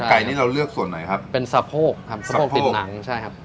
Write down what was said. ไก่นี้เราเลือกส่วนไหนครับเป็นสะโพกครับสำหรับติดหนังใช่ครับ